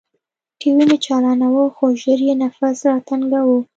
ټي وي مې چالاناوه خو ژر يې نفس راتنګاوه.